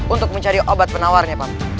untuk mencari obat penawarnya pak